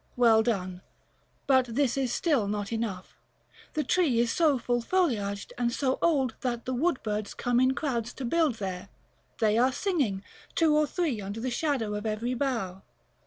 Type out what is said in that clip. Well done: but still this is not enough; the tree is so full foliaged and so old that the wood birds come in crowds to build there; they are singing, two or three under the shadow of every bough.